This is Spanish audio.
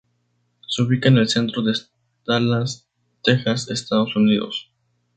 Se ubica en el centro de Dallas, Texas, Estados Unidos.